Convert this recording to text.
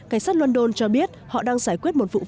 cảnh sát london cho biết họ đang giải quyết một vụ tấn công